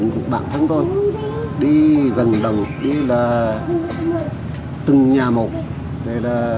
một bản thân thôi đi vần lần đi là từng nhà một vậy là